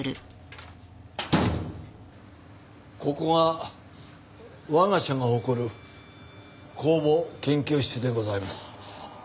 ここが我が社が誇る酵母研究室でございます。